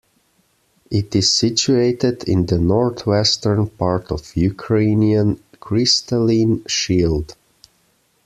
It is situated in the North-Western part of Ukrainian crystalline shield.